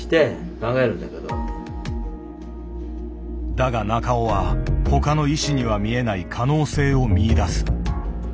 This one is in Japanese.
だが中尾は他の医師には見えない可能性を見いだす。